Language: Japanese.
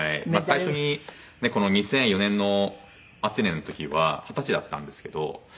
最初にこの２００４年のアテネの時は二十歳だったんですけど。